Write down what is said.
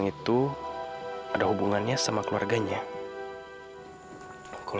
lalu dia kembali sebagai kecil